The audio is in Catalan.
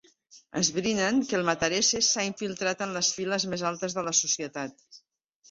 Esbrinen que el Matarese s'ha infiltrat en les files més altes de la societat.